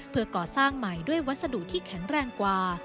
เพื่อก่อสร้างใหม่ด้วยวัสดุที่แข็งแรงกว่า